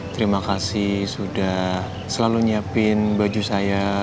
terima kasih sudah selalu nyiapin baju saya